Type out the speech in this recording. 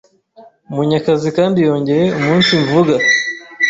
Munyakazi kandi yongeye umunsivuga